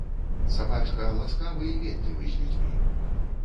Сабачка ласкавы і ветлівы з людзьмі.